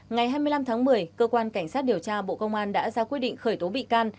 ngày hai mươi năm tháng một mươi cơ quan cảnh sát điều tra bộ công an đã ra quyết định khởi tố bị can